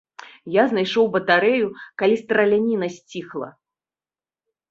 Я знайшоў батарэю, калі страляніна сціхла.